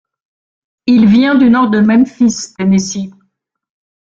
Il vient du nord de Memphis, Tennessee.